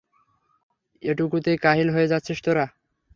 এটুকুতেই কাহিল হয়ে যাচ্ছিস তোরা!